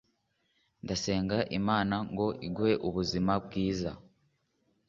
ndasenga imana iguhe ubuzima bwiza